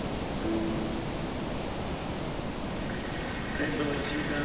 天童よしみさん